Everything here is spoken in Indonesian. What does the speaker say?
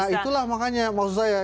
itulah makanya maksud saya